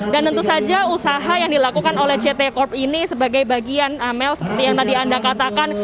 dan tentu saja usaha yang dilakukan oleh ct corp ini sebagai bagian amel seperti yang tadi anda katakan